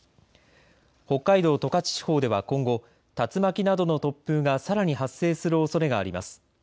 北海道十勝地方では今後、竜巻などの突風がさらに発生するおそれがあります。